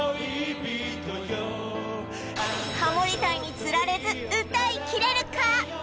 ハモリ隊につられず歌いきれるか？